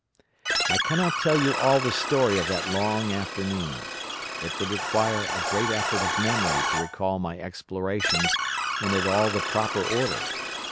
"I cannot tell you all the story of that long afternoon. It would require a great effort of memory to recall my explorations in at all the proper order.